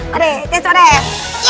padeh tes padeh